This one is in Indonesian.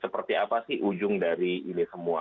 seperti apa sih ujung dari ini semua